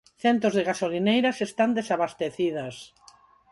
Centos de gasolineiras están desabastecidas.